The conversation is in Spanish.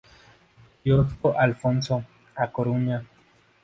Kiosko Alfonso, A Coruña.